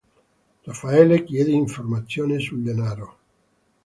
Raffaele chiede informazioni sul denaro.